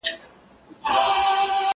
زه پرون ليکلي پاڼي ترتيب کوم؟!